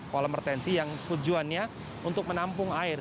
kolam retensi yang tujuannya untuk menampung air